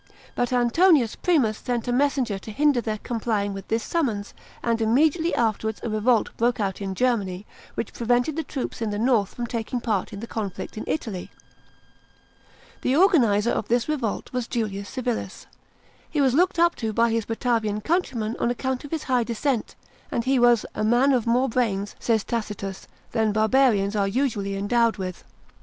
But Antonius Primus sent a messenger to hinder their complying with this summons, and immediately afterwards a revolt broke out in Germany, which prevented the troops in the north from taking part in the conflict in Italy. § 2. The organiser of this revolt was Julius Chilis. He was looked up to by his Baiavian countrymen on account of his high descent, and he was "a man of more brains," says Tacitus, "than barbarians are usually endowed with."